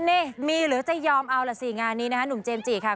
นี่มีหรือจะยอมเอาล่ะสิงานนี้นะคะหนุ่มเจมส์จิค่ะ